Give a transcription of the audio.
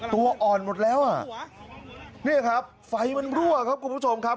ตัวอ่อนหมดแล้วอ่ะเนี่ยครับไฟมันรั่วครับคุณผู้ชมครับ